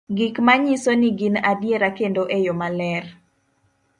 gik manyiso ni gin adiera kendo e yo maler